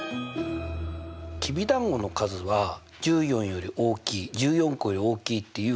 きびだんごの数は１４より大きい１４個より大きいって言うかな？